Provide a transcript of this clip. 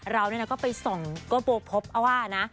เราก็ไปส่งก็พบว่านะ